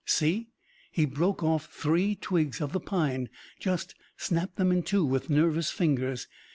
"See, he broke off three twigs of the pine. Just snapped them in two with nervous fingers.